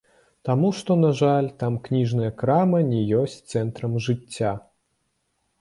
Таму што, на жаль, там кніжная крама не ёсць цэнтрам жыцця.